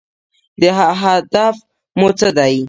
هدف مو څه دی؟